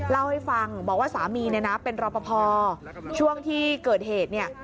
เล่าให้ฟังบอกว่าสามีเนี่ยนะเป็นรอปภช่วงที่เกิดเหตุเนี่ย